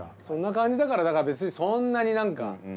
そんな感じだから別にそんなになんか。